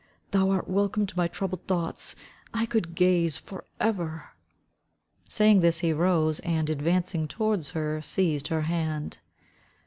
"Thou art welcome to my troubled thoughts. I could gaze for ever." Saying this he rose and advancing towards her, seized her hand.